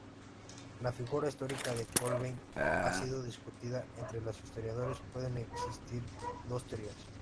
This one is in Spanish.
La figura histórica de Kolbeinn ha sido discutida entre historiadores, pues existen dos teorías.